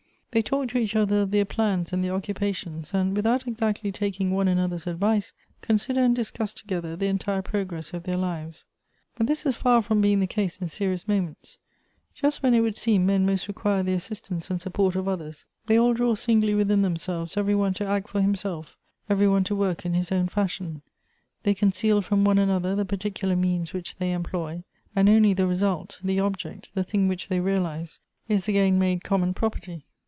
They talk to each other of their plans and their occupa tions, and, without exactly taking one another's advice, consider and discuss together the entire progress of their lives. But this is far from being the case in serious mo ments; just when it would seem men most require the assistance and support of others, they all draw singly within themselves every one to act for himself, every one to work in his own fashion ; they conceal from one another the particular means which they employ, and only the result, the object, the thing which they realize, is again made common property.